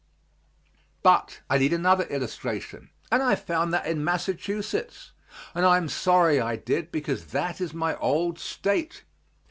But I need another illustration, and I found that in Massachusetts, and I am sorry I did, because that is my old State.